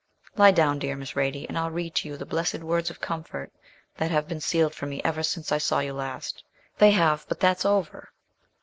Lie down, dear Miss Radie, and I'll read to you the blessed words of comfort that have been sealed for me ever since I saw you last. They have but that's over.'